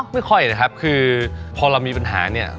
ไม่ค่อยนะครับคือพอเรามีปัญหาเนี่ย